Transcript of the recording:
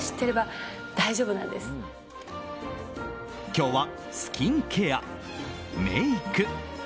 今日はスキンケア、メイク